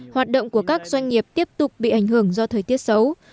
hoạt động của các doanh nghiệp tiếp tục bị ảnh hưởng do thời tiết xấu